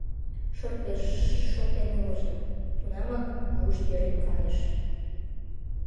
Шырпе ж-ж-ж шоктен ылыже, тунамак вушт йӧрен кайыш.